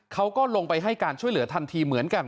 เขาก็ลงไปให้การช่วยเหลือทันทีเหมือนกัน